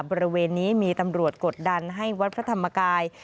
บริเวณนี้มีตำรวจกดดันให้วัดพระธรรมกาย